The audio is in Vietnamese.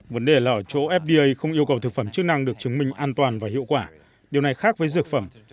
vấn đề là ở chỗ fda không yêu cầu thực phẩm chức năng được chứng minh an toàn và hiệu quả điều này khác với dược phẩm